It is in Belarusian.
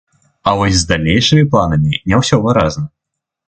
А вось з далейшымі планамі не ўсё выразна.